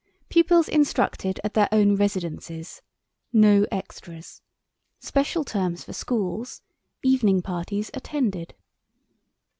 Pupils instructed at their own residences. No extras. Special terms for Schools. Evening Parties attended.